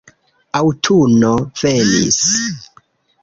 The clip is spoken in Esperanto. Aŭtuno venis.